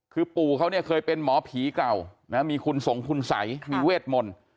คือปู่เขาเนี่ยเคยเป็นหมอผีเก่านะมีคุณสงคุณสัยมีเวทมนต์